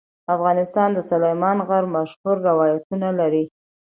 افغانستان د سلیمان غر مشهور روایتونه لري.